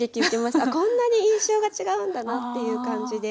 あっこんなに印象が違うんだなっていう感じで。